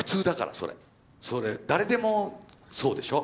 それ誰でもそうでしょ？